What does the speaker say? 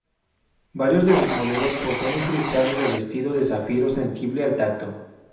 Varios de sus modelos poseen un cristal revestido de zafiro sensible al tacto.